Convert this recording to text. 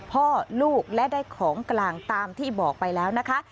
พ่อลูกและได้ของกลางตามที่บอกไปแล้วนะคะ